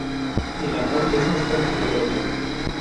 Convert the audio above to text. El amor es más fuerte que el odio